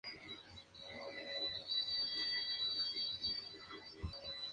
No terminó la educación secundaria y se unió al movimiento contestatario alemán.